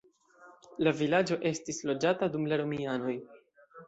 La vilaĝo estis loĝata dum la romianoj.